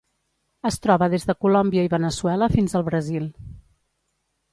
Es troba des de Colòmbia i Veneçuela fins al Brasil.